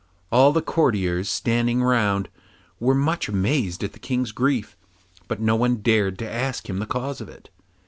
All the courtiers standing round were much amazed at the King's grief, but no one dared to ask him the cause of it.